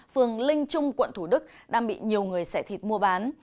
phường linh trung quận thủ đức đang bị nhiều người sẻ thịt mua bán